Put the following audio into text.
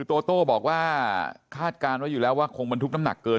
โตโต้บอกว่าคาดการณ์ไว้อยู่แล้วว่าคงบรรทุกน้ำหนักเกิน